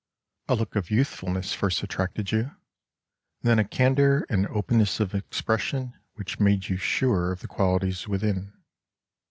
A look of youthfulness first attracted you, and then a candour and openness of expression which made you sure of the qualities within.